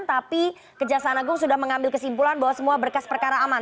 tapi kejaksaan agung sudah mengambil kesimpulan bahwa semua berkas perkara aman